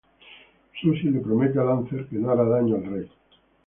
Susie le promete a Lancer que no hará daño al rey.